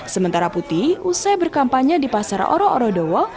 sementara putih usai berkampanye di pasar oro oro doa